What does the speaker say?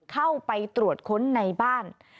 เข้าไปตรวจค้นในบ้าน